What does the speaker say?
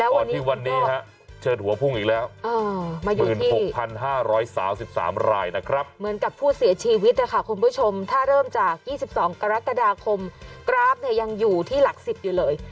ก่อนที่วันนี้ฮะเชิดหัวพุ่งอีกแล้ว๑๖๕๓๓รายนะครับเหมือนกับผู้เสียชีวิตนะคะคุณผู้ชมถ้าเริ่มจาก๒๒กรกฎาคมกราฟเนี่ยยังอยู่ที่หลัก๑๐อยู่เลย